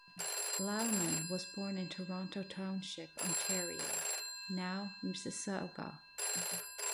Laumann was born in Toronto Township, Ontario, now Mississauga.